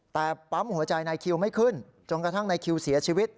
แต่ปั๊มหัวใจนายคิวไม่ขึ้นจนกระทั่งนายคิวเสียชีวิต